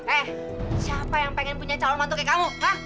eh siapa yang pengen punya calon mantu kayak kamu